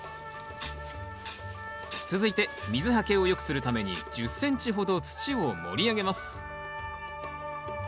続いて水はけを良くするために１０ｃｍほど土を盛り上げます。